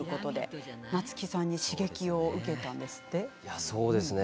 夏木さんに刺激を受けたそうですね。